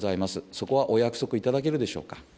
そこはお約束いただけるでしょうか。